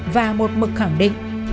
và một mực khẳng định